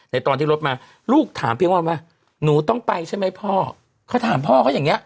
ตอนที่รถมาลูกถามเพียงว่าหนูต้องไปใช่ไหมพ่อเขาถามพ่อเขาอย่างเงี้